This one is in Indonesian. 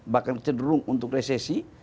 bahkan cenderung untuk resesi